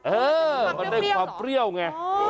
เออมันได้ความเปรี้ยวไง